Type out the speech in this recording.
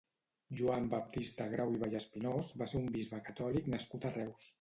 Joan Baptista Grau i Vallespinós va ser un bisbe catòlic nascut a Reus.